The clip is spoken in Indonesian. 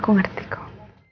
aku ngerti kau